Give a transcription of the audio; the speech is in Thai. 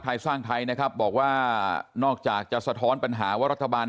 ไทยสร้างไทยนะครับบอกว่านอกจากจะสะท้อนปัญหาว่ารัฐบาล